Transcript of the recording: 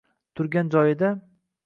turgan joyida